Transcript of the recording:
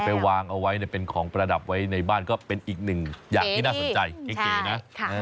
วางเอาไว้เป็นของประดับไว้ในบ้านก็เป็นอีกหนึ่งอย่างที่น่าสนใจเก๋นะ